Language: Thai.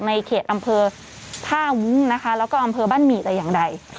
ในเขตอำเภอท่าวุ้งนะคะแล้วก็อำเภอบ้านหมี่แต่อย่างใด